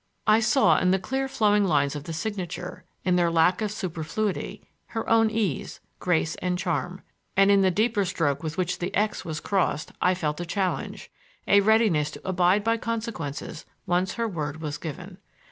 I saw in the clear flowing lines of the signature, in their lack of superfluity, her own ease, grace and charm; and, in the deeper stroke with which the x was crossed, I felt a challenge, a readiness to abide by consequences once her word was given.